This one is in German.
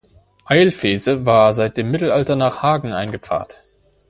Eilvese war seit dem Mittelalter nach Hagen eingepfarrt.